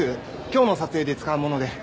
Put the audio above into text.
今日の撮影で使うもので。